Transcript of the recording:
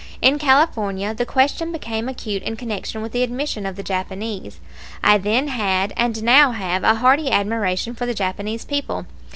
In California the question became acute in connection with the admission of the Japanese. I then had and now have a hearty admiration for the Japanese people.